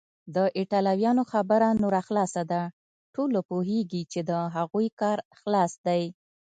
د ایټالویانو خبره نوره خلاصه ده، ټوله پوهیږي چې د هغوی کار خلاص دی.